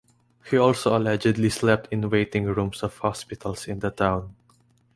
He also allegedly slept in waiting rooms of hospitals in the town.